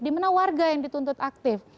dimana warga yang dituntut aktif